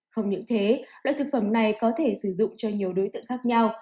không những thế loại thực phẩm này có thể sử dụng cho nhiều đối tượng khác nhau